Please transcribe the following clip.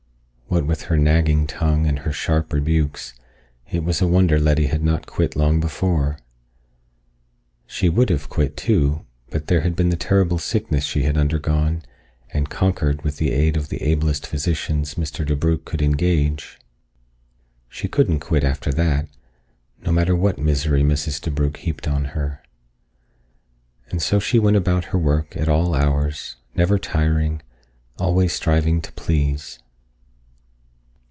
What with her nagging tongue and her sharp rebukes, it was a wonder Letty had not quit long before. She would have quit, too, but there had been the terrible sickness she had undergone and conquered with the aid of the ablest physicians Mr. DeBrugh could engage. She couldn't quit after that, no matter what misery Mrs. DeBrugh heaped on her. And so she went about her work at all hours, never tiring, always striving to please.